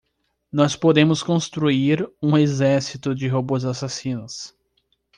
Nós podemos construir um exército de robôs assassinos.